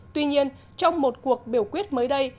tuy nhiên trong một cuộc biểu quyết mới đây